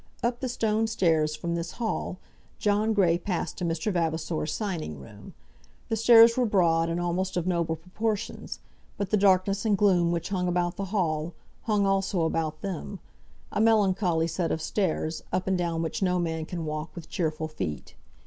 Up the stone stairs, from this hall, John Grey passed to Mr. Vavasor's signing room. The stairs were broad, and almost of noble proportions, but the darkness and gloom which hung about the hall, hung also about them, a melancholy set of stairs, up and down which no man can walk with cheerful feet.